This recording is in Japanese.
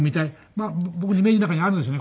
僕のイメージの中にあるんですよね